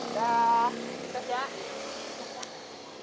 jangan keberanian ya